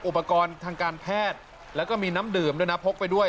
อุปกรณ์ทางการแพทย์แล้วก็มีน้ำดื่มด้วยนะพกไปด้วย